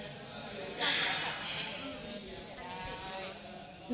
มีสิทธิ์ไหม